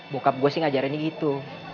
bokap gue sih ngajarinnya gitu